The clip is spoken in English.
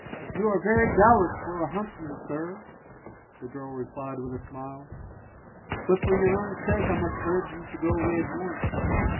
"You are very gallant for a huntsman, sir," the girl replied with a smile; "but for your own sake I must urge you to go away at once.